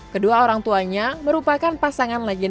kedua orang tuanya merupakan pasangan legenda berdua